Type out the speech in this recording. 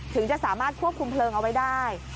ถึงจะสามารถควบคุมเพลิงเอาไว้ได้